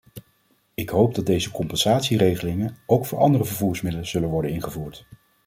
Ik hoop dat deze compensatieregelingen ook voor andere vervoersmiddelen zullen worden ingevoerd.